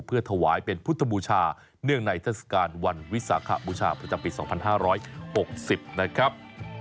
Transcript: เพื่อถวายเป็นพุทธบูชาเนื่องในเทศกาลวันวิสาขบูชาประจำปี๒๕๖๐นะครับ